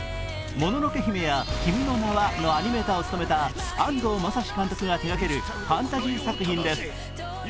「もののけ姫」や「君の名は」のアニメーターを務めた安藤雅司監督が手がけるファンタジー作品です。